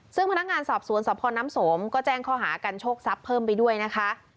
ซึ่งพนักงานสอบสวนสพน้ำสมก็แจ้งข้อหากันโชคทรัพย์เพิ่มไปด้วยนะคะ